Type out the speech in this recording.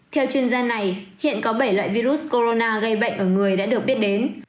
theo chuyên gia này hiện có bảy loại virus corona gây bệnh ở người đã được biết đến